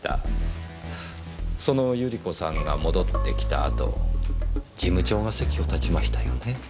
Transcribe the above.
そのゆり子さんが戻ってきた後事務長が席を立ちましたよね？